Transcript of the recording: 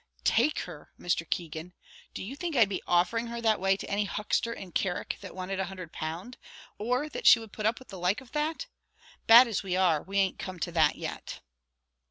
"Take her, Mr. Keegan! Do you think I'd be offering her that way to any huckster in Carrick that wanted a hundred pound; or that she would put up with the like of that? Bad as we are, we an't come to that yet."